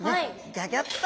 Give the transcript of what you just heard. ギョギョッと。